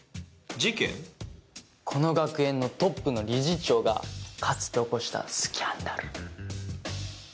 この学園のトップの理事長がかつて起こしたスキャンダル。